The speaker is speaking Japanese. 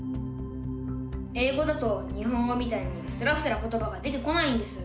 英語だと日本語みたいにすらすらことばが出てこないんです。